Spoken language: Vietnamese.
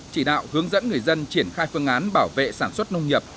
chỉ đạo hướng dẫn người dân triển khai phương án bảo vệ sản xuất nông nghiệp